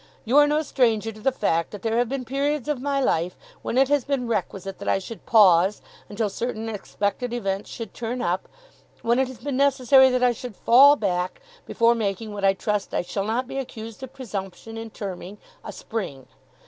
You are no stranger to the fact, that there have been periods of my life, when it has been requisite that I should pause, until certain expected events should turn up; when it has been necessary that I should fall back, before making what I trust I shall not be accused of presumption in terming a spring.